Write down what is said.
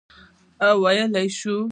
او ویلای شو،